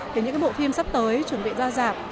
thì những cái bộ phim sắp tới chuẩn bị ra giảm